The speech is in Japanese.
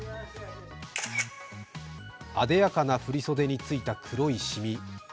艶やかな振り袖についた黒い染み。